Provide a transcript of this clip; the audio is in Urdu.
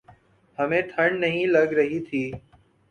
ہمیں ٹھنڈ نہیں لگ رہی تھی۔